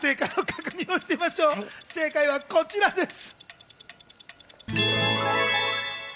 正解はこちらです。